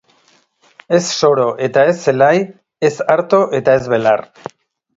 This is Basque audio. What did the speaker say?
Ez soro eta ez zelai, ez arto eta ez belar.